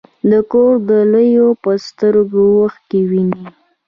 د کور د لویو په سترګو اوښکې وینې.